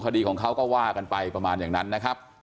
คดีของเขาก็ว่ากันไปประมาณอย่างนั้นนะครับ